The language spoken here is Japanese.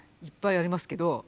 いっぱいありますけど。